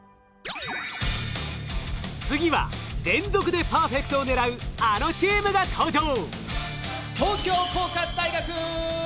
次は連続でパーフェクトを狙うあのチームが登場。